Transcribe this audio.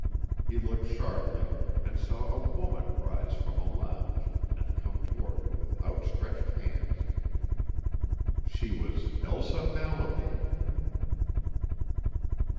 He looked sharply and saw a woman rise from a lounge and come toward him with outstretched hands. She was Elsa Mallaby!